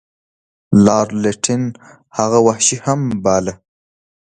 لارډ لیټن هغه وحشي هم باله.